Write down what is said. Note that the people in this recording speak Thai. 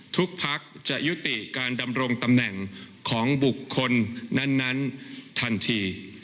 ภักดิ์จะยุติการดำรงตำแหน่งของบุคคลนั้นทันที